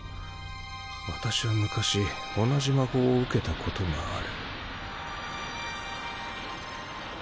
私は昔同じ魔法を受けたことがある。